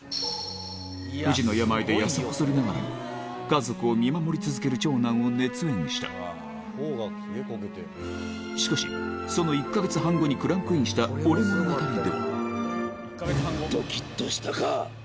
不治の病で痩せ細りながらも家族を見守り続ける長男を熱演したしかしその１カ月半後にクランクインした『俺物語‼』ではドキっとしたか？